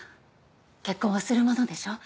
結婚はするものでしょう？